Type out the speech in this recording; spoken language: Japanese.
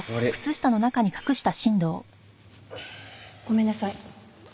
ごめんなさい。